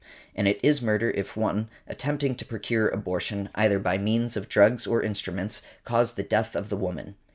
And it is murder if one, attempting to procure abortion, either by means of drugs or instruments, cause the death of the woman .